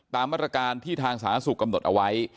ตามมาตรการที่ทางสาธารณสุขกำหนดเอาไว้